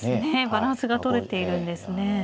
バランスがとれているんですね。